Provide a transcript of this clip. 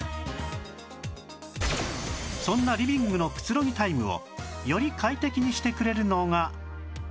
そんなリビングのくつろぎタイムをより快適にしてくれるのが